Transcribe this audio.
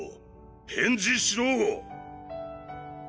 返事しろ！